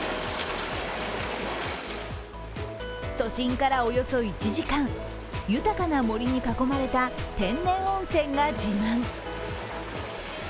都心からおよそ１時間、豊かな森に囲まれた天然温泉が自慢。